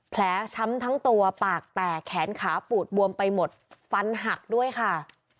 ช้ำทั้งตัวปากแตกแขนขาปูดบวมไปหมดฟันหักด้วยค่ะ